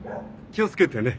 気をつけてね。